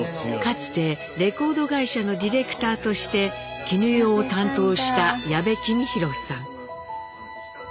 かつてレコード会社のディレクターとして絹代を担当した矢部公啓さん。